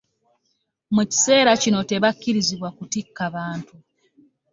Mu kiseera kino tebakirizibwa kutikka bantu.